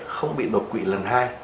không bị đột quỵ lần hai